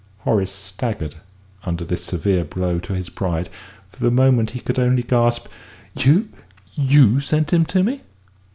Horace staggered under this severe blow to his pride; for the moment he could only gasp: "You you sent him to me?"